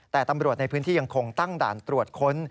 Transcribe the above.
แต่ตำรวจในพื้นที่ยังคงตั้งด่านตรวจค้น